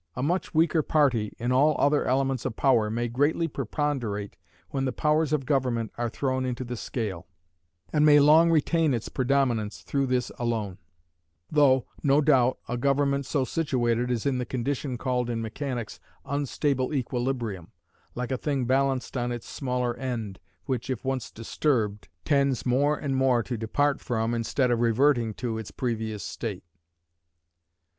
A much weaker party in all other elements of power may greatly preponderate when the powers of government are thrown into the scale; and may long retain its predominance through this alone: though, no doubt, a government so situated is in the condition called in mechanics unstable equilibrium, like a thing balanced on its smaller end, which, if once disturbed, tends more and more to depart from, instead of reverting to, its previous state.